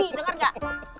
mas randy denger nggak